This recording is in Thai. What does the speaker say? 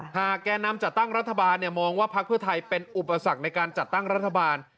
แก่นำจัดตั้งรัฐบาลมองว่าพักเพื่อไทยเป็นอุปสรรคในการจัดตั้งรัฐบาล